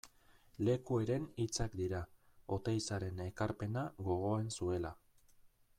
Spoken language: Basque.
Lekueren hitzak dira, Oteizaren ekarpena gogoan zuela.